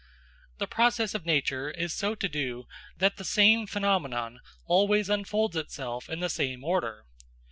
The process of nature is so to do that the same phenomenon always unfolds itself in the same order.